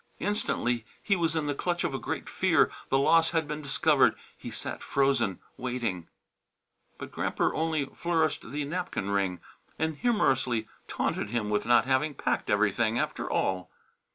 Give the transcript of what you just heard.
Instantly he was in the clutch of a great fear; the loss had been discovered. He sat frozen, waiting. But Gramper only flourished the napkin ring, and humorously taunted him with not having packed everything, after all.